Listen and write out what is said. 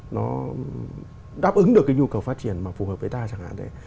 nó đáp ứng được cái nhu cầu phát triển mà phù hợp với ta chẳng hạn đấy